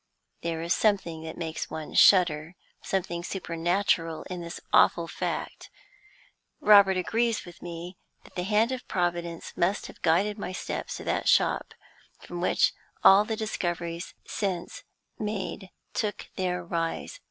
There is something that makes one shudder, something supernatural in this awful fact. Robert agrees with me that the hand of Providence must have guided my steps to that shop from which all the discoveries since made took their rise.